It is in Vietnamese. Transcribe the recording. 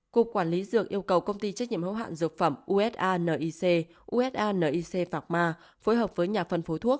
cục quản lý dược yêu cầu công ty trách nhiệm hữu hạn dược phẩm usanic usanic phạc ma phối hợp với nhà phân phối thuốc